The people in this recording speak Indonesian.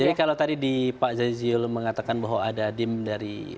jadi kalau tadi di pak zayziul mengatakan bahwa ada dim dari